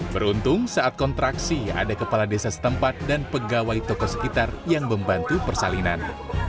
beruntung saat kontraksi ada kepala desa setempat dan pegawai toko sekitar yang membantu persalinan